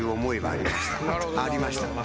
ありました。